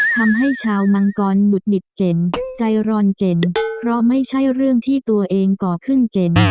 ทำให้ชาวมังกรหงุดหงิดเก่งใจร้อนเก่งเพราะไม่ใช่เรื่องที่ตัวเองก่อขึ้นเก่ง